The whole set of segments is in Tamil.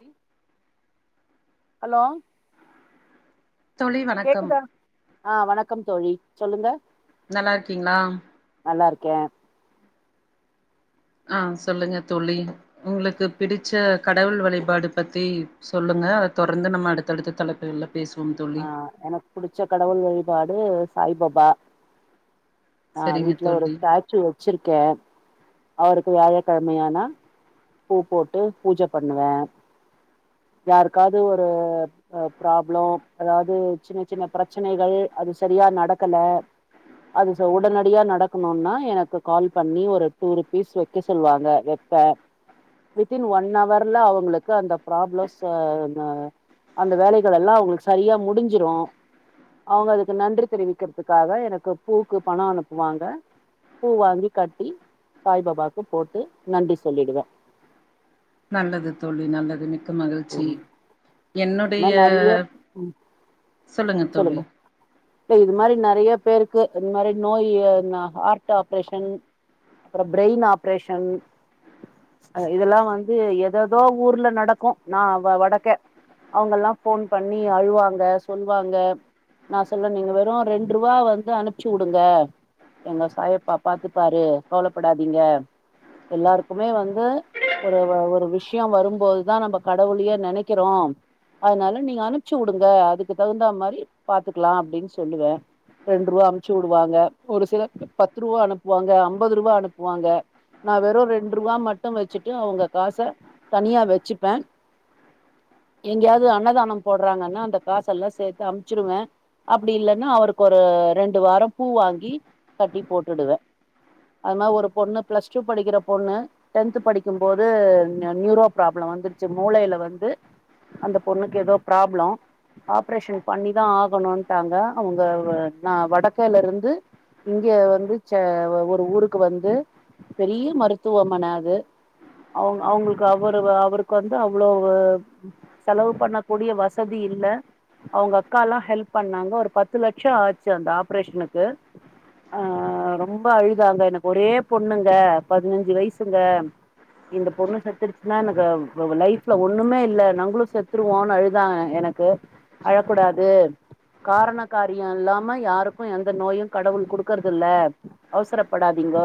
ழி அலோ தோழி வணக்கம் கேக்குதா ஆ வணக்கம் தோழி சொல்லுங்க நல்லா இருக்கீங்ளா நல்லா இருக்கே ஆ சொல்லுங்க தோழி உங்ளுக்கு பிடிச்ச கடவுள் வழிபாடு பத்தி சொல்லுங்க அத தொடர்ந்து நம்ம அடுத்தடுத்த தலைப்புகள்ல பேசுவோ தோழி ஆ எனக்கு புடிச்ச கடவுள் வழிபாடு சாய்பாபா ஆ சரிங்க வீட்ல ஒரு தோழி ஸ்டாச்சு வச்சுருக்கே அவருக்கு வியாழக் கெழமையானா பூ போட்டு பூஜ பண்ணுவே யாருக்காது ஒரு அ ப்ராப்ளோ அதாவது சின்ன சின்ன பிரச்சனைகள் அது சரியா நடக்கல அது சோ உடனடியா நடக்கணுனா எனக்கு கால் பண்ணி ஒரு டூ ருஃபீஸ் வைக்க சொல்லுவாங்க வப் பே வித்தின் ஒன் அவர்ல அவுங்ளுக்கு அந்த ப்ராப்ளோஸ் [unintelligible] அந்த வேலைகள் எல்லா அவுங்ளுக்கு சரியா முடிஞ்சுரு அவுங்க அதுக்கு நன்றி தெரிவிக்றதுக்காக எனக்கு பூக்கு பணோ அனுப்புவாங்க பூ வாங்கி கட்டி சாய்பாபாக்கு போட்டு நன்றி சொல்லிடுவோ நல்லது தோழி நல்லது மிக் க மகிழ்ச்சி இது என்னுடைய மாதிரி நிறைய சொல்லுங்க தோழி சோ இது மாரி நறைய பேருக்கு இந்த மாரி நோய் ஹார்ட் ஆப்ரேஷன் அப்ற பிரெயின் ஆப்ரேஷன் இதெல்லா வந்து எததோ ஊர்ல நடக்கு நா வ வடக்க அவுங்கல்லா ஃபோன் பண்ணி அழ்வாங்க சொல் வாங்க நா சொல்வே நீங்க வெறு ரெண்ட் ரூவா வந்து அனுப்ச்சு வுடுங்க எங்க சாயப்பா பாத்துப்பாரு கவலப்படாதீங்க எல்லாருக்குமே வந்து ஒரு வ ஒரு விஷ்யோ வரும்போதுதா நம்ப கடவுளயே நெனக்கிறோ அதனால நீங்க அனுப்ச்சு வுடுங்க அதுக்கு தகுந்தா மாரி பாத்துக்லா அப்டின் சொல்லுவே ரெண்ட்ருவா அம்ச்சு வுடுவாங்க ஒரு சில பத்துருவா அனுப்புவாங்க அம்பதுருவா அனுப்புவாங்க நா வெறு ரெண்ட்ருவா மட்டு வச்சுட்டு அவுங்க காச தனியா வச்சுப்பே எங்கயாது அன்னதானம் போடுறாங்கன்னா அந்த காசெல்லா சேத்து அம்ச்சுருவே அப்டி இல்லைன்னா அவருக்கு ஒரு ரெண்டு வார பூ வாங்கி கட்டி போட்டுடுவ ஆனா ஒரு பொண்ணு பிளஸ் டூ படிக்கிற பொண்ணு டென்த் படிக்கு போது நியூரோ ப்ராப்ளம் வந்துருச்சு மூளைல வந்து அந்த பொண்ணுக்கு எதோ ப்ராப்ள ஆப்ரேஷன் பண்ணிதா ஆகணுன்ட்டாங்க அவங்க நா வடக்கல இருந்து இங்க வந்து ச ஒரு ஊருக்கு வந்து பெரிய மருத்துவமனை அது அவங்க அவங்களுக்கு அவரு அவருக்கு வந்து அவ்ளவு செலவு பண்ணக் கூடிய வசதி இல்ல அவங்க அக்கால்லா ஹெல்ப் பண்ணாங்க ஒரு பத்து லட்சம் ஆச்சு அந்த ஆப்ரேஷனுக்கு அ ரொம்ப அழுதாங்க எனக்கு ஒரே பொண்ணுங்க பதினஞ்சு வயசுங்க இந்த பொண்ணு செத்துடுச்சுன்னா எனக்கு லைஃப்ல ஒண்ணுமே இல்ல நாங்களு செத்துருவோனு அழு தா எனக்கு அழக்கூடாது காரண காரிய இல்லாம யாருக்கு எந்த நோயு கடவுள் குடுக்கறதில்ல அவசரப்படாதீங்க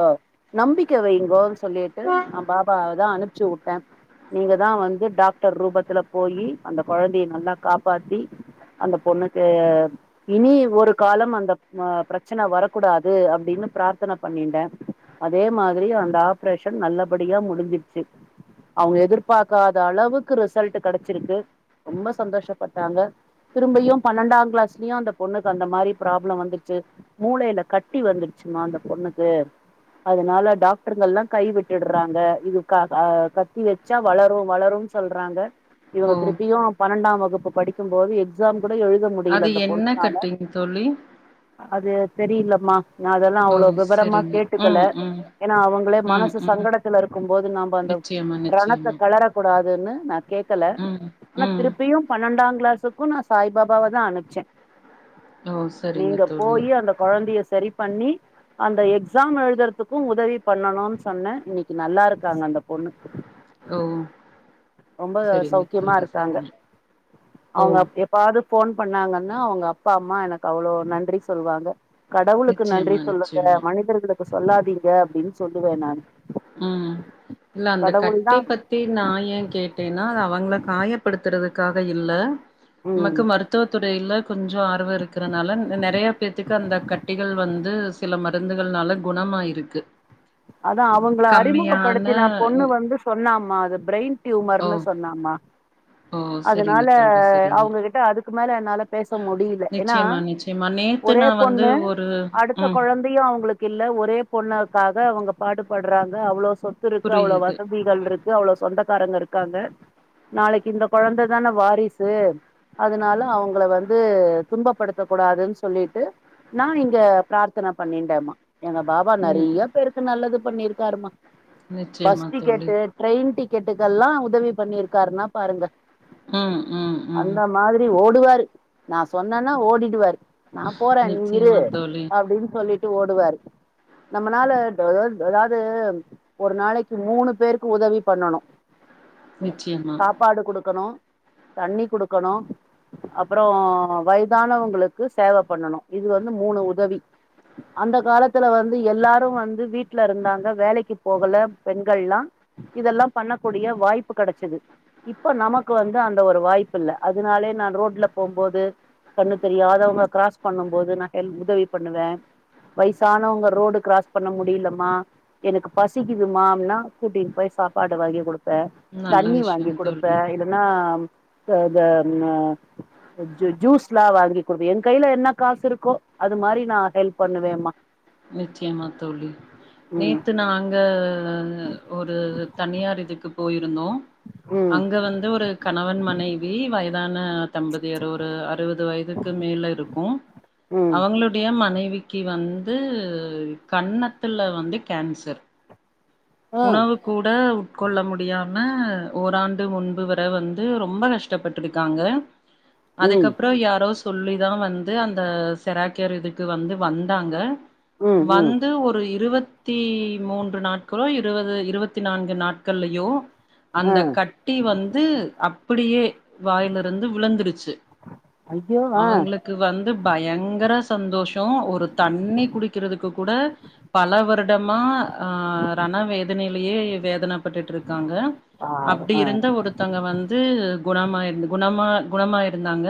நம்பிக்கை வைங்கோன் சொல்லிட்டு நா பாபாவதா அனுப்ச்சு உட்ட நீங்க தா வந்து டாக்டர் ரூபத்துல போயி அந்த கொழந்தைய நல்லா காப்பாத்தி அந்த பொண்ணுக்கு இனி ஒரு காலம் அந்த அ பிரச்சன வரக்கூடாது அப்டின்னு பிராத்தன பண்ணின்ட அதே மாதிரி அந்த ஆப்ரேஷன் நல்லபடியா முடிஞ்சிர்ச்சு அவங்க எதிர்பாக்காத அளவுக்கு ரிசல்ட் கெடச்சிருக்கு ரொம்ப சந்தோஷப்பட்டாங்க திரும்பயு பன்னெண்டாம் கிளாஸ்லயு அந்த பொண்ணுக்கு அந்த மாரி ப்ராப்ளம் வந்துச்சு மூளைல கட்டி வந்துருச்சுமா அந்த பொண்ணுக்கு அதனால டாக்டருகள்லா கை விட்டுடுறாங்க இது அ கத்தி வச் சா வளரு வளருன் சொல்றாங்க இவங்க ஓ திருப்பியு பன்னெண்டாம் வகுப்பு இருக்கு போது எக்ஸாம் கூட எழுத அது முடில அந்த என்ன பொண்ணுனால கட்டிங் தோழி அது தெரிலமா நா அதெல்லா ஓ அவ்ள விவரமா சரிங்க கேட்டுக்கல ம் ம் ஏன்னா அவங்களே ம் மனசு ம் சங்கடத்துல இருக்கு போது நாம அந்த நிச்சயமா நிச்சயமா கூடாதுனு நா கேக்கல ம் ஆனா ம் திருப்பியு பன்னென்டா கிளாஸுக்கு நா சாய் பாாபாவதா அனுப்ச்ச ஓ சரிங்க நீங்க தோழி போயி அந்த கொழந்தைய சரி பண்ணி அந்த எக்ஸாம் எழுதுறதுக்கு உதவி பண்ணணுன் சொன்ன இன்னைக்கு நல்லா இருக்காங்க அந்த பொண்ணு ஓம் ரொம்ப சௌக்கியமா இருக்காங்க சரிங்க ஓ! அவுங்க எப் எப்பாது ஃபோன் பண்ணாங்கன்னா அவுங்க அப்பா அம்மா எனக்கு அவ்ளோ நன்றி சொல்வாங்க கடவுளுக்கு நன்றி நிச்சயமா, சொல்லுங்க நிச்சயமா. மனிதர்களுக்கு சொல்லாதீங்க அப்டின் சொல்லுவே நானு ம் இல்ல அந்த கடவுள் தா கட்டிய பத் தி நா ஏ கேட்டேன்னா அத அவங்கள காயப்படுத்துறதுக்காக இல்ல ம் நமக்கு மருத் துவ துறைல கொஞ்சோ ஆர்வோ இருக்கிறனால நெறய பேத்துக்கு அந்த கட்டிகள் வந்து சில மருந்துகள்னால குணமாயிருக்கு அதா அவுங்கள கம்மியான அறிமுகப்படுத்தினா பொண்ணு ம் வந்து சொன்னாமா அது பிரெயின் ஓ! டியூமர்ன்னு சொன்னாமா ஓ! சரிங்க அதனால தோழி, சரிங்க. அவுங்ககிட்ட அதுக்கு மேல என்னால பேச முடில ஏன்னா நிச்சயமா, நிச்சயமா. நேத்து ஒரே நான் வந்து பொண்ணு ஒரு அடுத்த ம். கொழந் தயு அவுங்களுக்கு இல்ல ஒரே பொண்ணுக்காக அவுங்க பாடுபடுறாங்க அவ்ளோ சொத்து இருக்கு அவ்ளோ புரியுது. வசதி கள் இருக்கு அவ்ளோ சொந்தக்காரங்க இருக்காங்க நாளைக்கு இந்த கொழந்ததான வாரிசு அதனால அவுங்கள வந்து துன்பப்படுத்த கூடாதுன் சொல்லிட்டு நா இங்க பிரார்த்தன பண்ணின்டேம்மா எங்க பாபா ம். நெறையா பேருக்கு நல்லது பண்ணிருக்காருமா நிச்சயமா பஸ் தோழி. டிக்கெட்டு ட்ரெயின் டிக்கெட்டுக்கெல்லா உதவி பண்ணிருக்காருன்னா பாருங்க ம் ம் ம் மாத்ரி ஓடுவாரு நா சொன்னேன்னா ஓடிடுவாரு நா போறே நீ இரு நிச்சயமா தோழி. அப்டின் சொல்லிட்டு ஓடுவாரு நம்மனால [unintelligible] அதாவுது ஒரு நாளைக்கு மூணு பேருக்கு உதவி பண்ணணு நிச்சயமா. சாப்பாடு குடுக்கணு தண்ணி குடுக்கணு அப்றோ வய்தானவங்களுக்கு சேவ பண்ணணு இது வந்து மூணு உதவி அந்த காலத்துல வந்து எல்லாரு வந் து வீட்ல இருந்தாங்க வேலைக்கு போகல பெண்கல்லா இதெல்லா பண்ணக்கூடிய வாய்ப்பு கெடச்சது இப்ப நமக்கு வந்து அந்த ஒரு வாய்ப்பில்ல அதனாலே நா ரோட்ல போம்போது கண்ணு தெரியாதவங்க கிராஸ் பண்ணு போது நா ஹெல் உதவி பண்ணுவே வய்சானவங்க ரோடு கிராஸ் பண்ண முடியலமா எனக்கு பசிக்குதுமா அப்னா கூட்டின் போய் சாப்பாடு வாங்கி குடு ப்பே நல்ல தண்ணி வாங்கி விஷயம் தோழி குடுப்பே இல்லன்னா இத த ஆ ஜூ ஜூஸ்ல்லா வாங்கி குடுப்பே என் கைய்ல என்ன காசு இருக்கோ அது மாரி நா ஹெல்ப் பண்ணுவேம்மா நிச்சயமா தோழி ம் நேத்து நாங்க ஒரு தனியார் இதுக்கு போயிருந்தோ ம் அங்க வந்து ஒரு கணவன் மனைவி வயதான தம்பதியர் ஒரு அறுவது வயதுக்கு மேல இருக்கு ம் அவங்களு டைய மனைவிக்கு வந்து கன்னத்துல வந்து கேன்சர் ஆ உணவு கூட உட்கொள்ள முடியாம ஓராண்டு முன்பு வர வந்து ரொம்ப கஷ்டப்பட்ருக்காங்க ம் அதுக்கப்றோ யாரோ சொல்லிதா வந்து அந்த செராக்கியர் இதுக்கு வந்து வந்தாங்க ம் ம் வந்து ஒரு இருவத் தி மூன்று நாட்களோ இருவது இருவத்தி நான்கு நாட்கள்லயோ ஆ அந்த கட்டி வந்து அப்படியே வாயில இருந்து விழுந்துருச்சு ஐயோ அ க்கு வந்து பயங்கர சந்தோஷோ ஒரு தண்ணி குடிக்கிறதுக்கு கூட பல வருடமா ஆ ரண வேதனையிலயே வேதன பட்டுட்ருக்காங்க பாவம் அப்டி ஆ இருந்த ஒருத்தங்க வந்து குணமாயிருந்த குணமா குணமாயிருந்தாங்க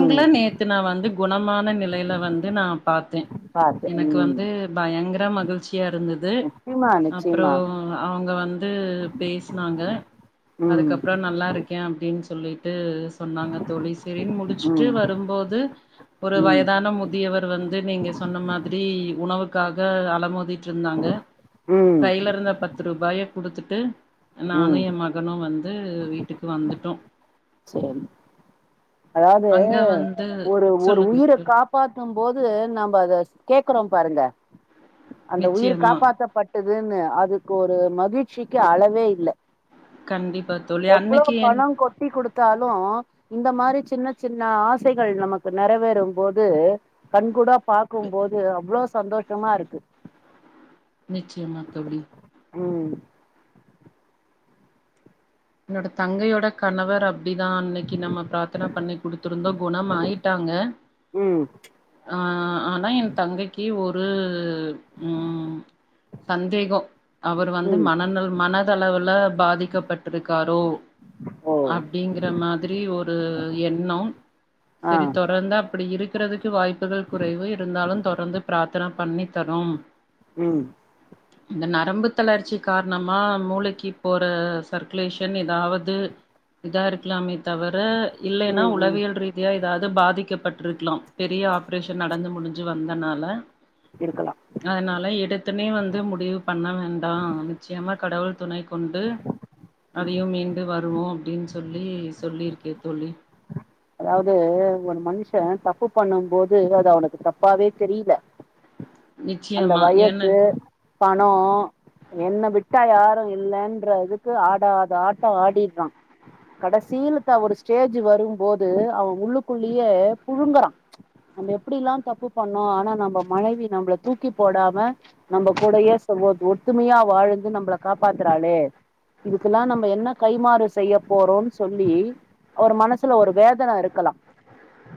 ம் நேத்து நா வந்து குணமான நிலையில வந்து நா பாத்தே பாத்து எனக்கு ம் வந்து பயங்கர மகிழ்ச்சியா இருந்தது நிச்சயமா அப்றோ நிச்சயமா அவுங்க வந்து பேசினாங்க ம் அதுக்கப்றோ நல்லா இரு க்கே அப்டின் சொல்லிட்டு சொன்னாங்க தோழி செரின் முடிச்சிட்டு ம் வரும்போது ஒரு ம் வயதான முதியவர் வந்து நீங்க ன்ன மாத்ரி உணவுக்காக அலமோதிட்ருந்தாங்க கை ம் கையில இருந்த பத்து ரூபாய குடுத்துட்டு நானு ம் எ மகனும் வந்து வீட்டுக்கு வந்துட்டோ சேரி அதாவ்து அங்க வந்து ஒரு ஒரு சொல்லுங்க உயிர தோழி காப் பாத்தும் போது நம்ம அத கேக்குறோம் பாருங்க அந்த உயிர் நிச்சயமா காப்பாத்தப்பட் டுதுன்னு அதுக்கொரு மகிழ்ச்சிக்கு அளவே இல்ல கண்டிப்பா தோழி அன்னைக்கி என் ட்டி குடுத்தாலு இந்த மாரி சின்ன சின்ன ஆசைகள் நமக்கு நெறைவேறும்போது கண் கூடாப் பாக்கும்போது அவ்ளோ சந்தோஷமா இருக்கு நிச்சியமாத் தோழி ம் என்னோட தங்கையோட கணவர் அப்டிதா அன்னைக் கி நம்ம பிராத்தன பண்ணி குடுத்திருந்தோ குணம் ஆயிட்டாங்க ம் ஆ ஆனா என் தங்கைக்கு ஒரு ம் சந்தேகோ அவர் வந்து ம் மனநல் மனதளவுல பாதிக்கப்பட்ருக்காரோ ஓ அப்டிங்கிற மாதிரி ஒரு எண்ணோ ஆ செரி தொடர்ந்து அப்டி இருக்கிறதுக்கு வாய்ப்புகள் குறைவு இருந்தாலுந் தொடர்ந்து பிராத்தனப் பண்ணித் தறோம் ம் இந்த நரம்பு தளர்ச்சி காரணமா மூளைக்கிப் போறச் சர்க்குலேஷன் எதாவது இதா இருக்லாமேத் தவர இல்லைனா ம் ம் உளவியல் ரீத் தியா எதாது பாதிக்கப்பட்ருக்லாம் பெரிய ஆப்ரேஷன் நடந்து முடிஞ்சு வந்தனால இருக்கலா அதனால எடுத்தோனே வந்து முடிவுப் பண்ண வேண்டா நிச்சயமா கடவுள் துணை கொண்டு அதையும் மீண்டு வருவோ அப்டின் சொல்லி சொல்லிருக்கே தோழி அதாவ்து ஒரு மனுஷே தப்பு பண்ணும் போது அது அவுனுக்கு தப்பாவேத் தெரில அந்த நிச்சயமா வயசு ஏன்ன பணோ என்ன விட்டா யாரு இல்லன்ற இதுக்கு ஆடாத ஆட்டோ ஆடிட்றா கடைசிலத்த ஒரு ஸ்டேஜூ வரும்போது அவ உள்ளுக்குள்ளியே புழுங்கறா நம்ம எப்டிலாந் தப்பு பண்ணோ ஆனா நம்ப மனைவி நம்ளத் தூக் தூக்கி போடாம நம்பக் கூடையேச் சகோத் ஒத்துமையா வாழ்ந்து நம்ளக் காப்பாத்தறாளே இதுக்குலா நம்ப என்னக் கைமாறு செய்யப் போறோம் சொல்லி அவர் மனசுல ஒரு வேதன இருக்கலா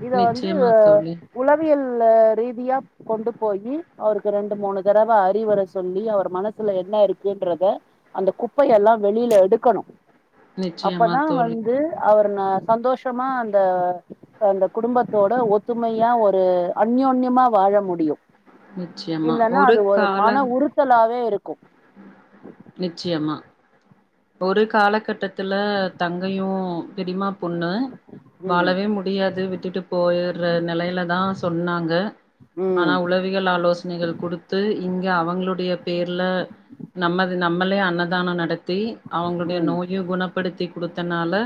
இத வந்து நிச்சயமா தோழி உளவியல் அ ரீதியா கொண்டு போயி அவருக்கு ரெண்டு மூனு தரவ அறிவுர சொல்லி அவர மனசுல என்ன இருக்குன்றத அந்தக் குப்பையெல்லா வெளில எடுக்கணு நிச்சயமா அப்பதா தோழி வந்து அவர்ன சந்தோஷமா அந்த க அந்தக் குடும்பத்தோட ஒத்துமையா ஒரு அன்யோன்யமா வாழ முடியு நிச்சியமா இல்லன்னா அது ஒரு ஒருக்கால மன உறுத்தலாவே இருக்கும் நிச்சியமா ஒருக் காலகட்டத்துல தங்கையு பெரிமா பொண்ணு ம் வாழவே முட் முடியாது விட்டுட்டுப் போயர்ற நெலைலதா சொன்னாங்க ம் ஆனா உளவி விகல் ஆலோசனைகள் குடுத்து இங்க அவங்ளுடையப் பேர்ல நம்மது நம்மளே அன்னதானோ நடத்தி அவங்ளுடைய ம் நோயு குணப்படுத்தி குடுத்தனால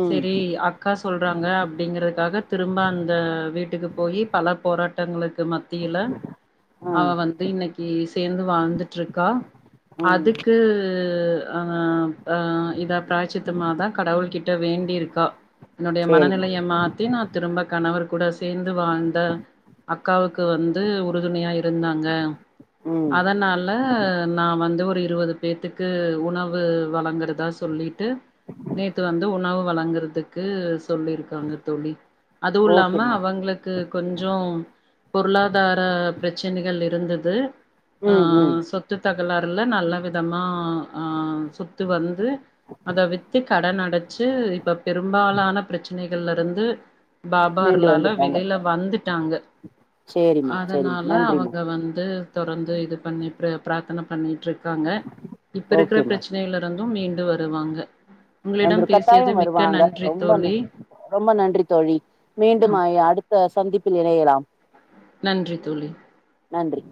ம் செரி அக் க்கா சொல்றாங்க அப்டிங்கிறக்காக திரும்ப அந்த வீட்டுக்குப் போயி பல போராட்டங்ளுக்கு மத்தியில [inaudible] ஆ அவ வந்து இன்னைக்கி சேந்து வாழ்ந்துட்ருக்கா ம் அதுக்கு அப் அ இத பிராய்சித்தமாதா கடவுள் கிட்ட வேண்டிருக்கா என்னுடைய சரிம்மா மனநிலைய மாத்தி நாத் திரும்ப கணவர் கூட சேந்து வாழ்ந்த அக்காவுக்கு வந்து உறுதுணையா இருந்தாங்க ம் அதனால நா வந்து ஒரு இருவது பேத்துக்கு ஒ உணவு வழங்குறதா சொல்லிட்டு நேத்து வந்து உணவு வழங்குறது க்கு சொல்லியிருக்காங்க தோழி அதுவு இல்லாம ஓகேம்மா அவங்களுக் க்கு கொஞ்சோ பொருளாதார பிரச்சனைகள் இருந்தது ஆ ம் ம் சொத்து தகராறுல நல்ல விதமா ஆ சு த்து வந்து அத வித்து கடன் அடைச்சு இப்ப பெரும்பாலான பிரச்சனைகள்ல இருந்து மீண்டு பாபார்லால வந்துட்டாங்க வெளில வந்துட்டாங்க சரிம்மா சரிம்மா அதனால நன்றிம்மா அவங்க வந்து தொடர்ந்து இது பண்ணி ப்ரே பிரார்த்தன பண்ணிட்ருக்காங்க இப்ப இருக்கிற ஓகேம்மா பிரச்சனையில இருந்து மீண்டு வருவாங்க வந்துரு உங்களிடம் பேசியது கட்டாயம் மிக்க வருவாங்க நன்றி ரொம்ப தோழி ரொம்ப நன்றி தோழி மீண்டும் அ ஆ அடு த சந்திப்பில் இணையலாம் நன்றி தோழி நன்றி